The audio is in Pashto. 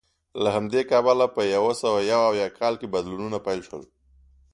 له همدې کبله په یو سوه یو اویا کال کې بدلونونه پیل شول